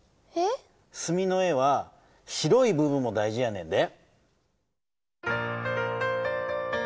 墨の絵は白い部分も大事やねんで。